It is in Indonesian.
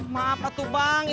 maaflah tuh bang